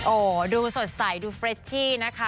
โอ้โหดูสดใสดูเฟรชชี่นะคะ